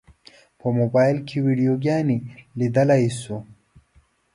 په موبایل کې ویډیوګانې لیدلی شو.